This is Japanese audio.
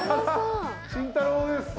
紳太郎です。